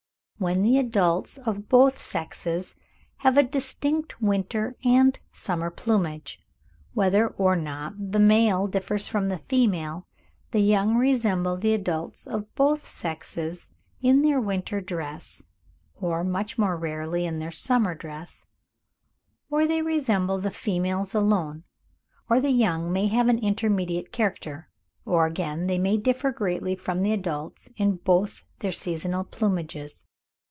— WHEN THE ADULTS OF BOTH SEXES HAVE A DISTINCT WINTER AND SUMMER PLUMAGE, WHETHER OR NOT THE MALE DIFFERS FROM THE FEMALE, THE YOUNG RESEMBLE THE ADULTS OF BOTH SEXES IN THEIR WINTER DRESS, OR MUCH MORE RARELY IN THEIR SUMMER DRESS, OR THEY RESEMBLE THE FEMALES ALONE. OR THE YOUNG MAY HAVE AN INTERMEDIATE CHARACTER; OR, AGAIN, THEY MAY DIFFER GREATLY FROM THE ADULTS IN BOTH THEIR SEASONAL PLUMAGES.